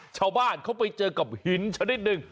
ชาวบ้านเขาไปเจอกับหินชนิดหนึ่ง